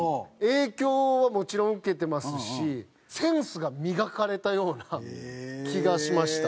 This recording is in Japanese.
影響はもちろん受けてますしセンスが磨かれたような気がしました。